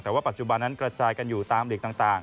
แต่ว่าปัจจุบันนั้นกระจายกันอยู่ตามหลีกต่าง